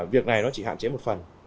việc này nó chỉ hạn chế một phần